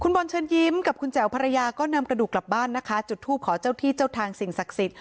บอลเชิญยิ้มกับคุณแจ๋วภรรยาก็นำกระดูกกลับบ้านนะคะจุดทูปขอเจ้าที่เจ้าทางสิ่งศักดิ์สิทธิ